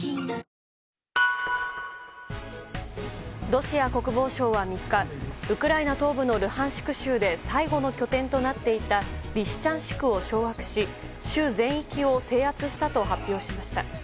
ロシア国防省は３日ウクライナ東部のルハンシク州で最後の拠点となっていたリシチャンシクを掌握し州全域を制圧したと発表しました。